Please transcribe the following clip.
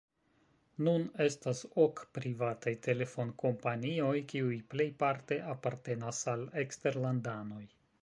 Nun estas ok privataj telefonkompanioj, kiuj plejparte apartenas al eksterlandanoj.